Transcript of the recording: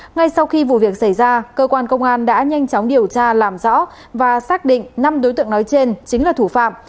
ngay sau khi vụ việc xảy ra cơ quan công an đã nhanh chóng điều tra làm rõ và xác định năm đối tượng nói trên chính là thủ phạm